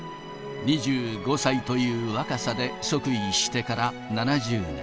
２５歳という若さで即位してから７０年。